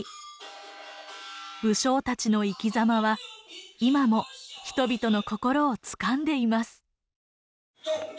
武将たちの生きざまは今も人々の心をつかんでいます。